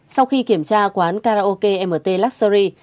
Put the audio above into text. sau khi kiểm tra quán karaoke mt luxury